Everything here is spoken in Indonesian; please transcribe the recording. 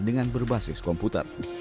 dengan berbasis komputer